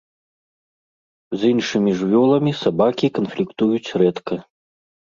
З іншымі жывёламі сабакі канфліктуюць рэдка.